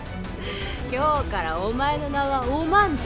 今日からお前の名はお万じゃ。